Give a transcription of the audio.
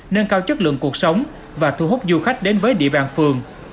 nâng cao chất lượng cuộc sống và thu hút du khách đến với địa bàn phường